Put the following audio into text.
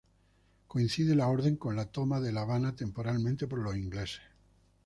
Coincide la orden con la toma de La Habana temporalmente por los ingleses.